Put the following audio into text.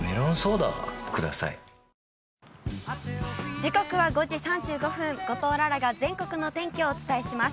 時刻は５時３５分、後藤楽々が全国のお天気をお伝えします。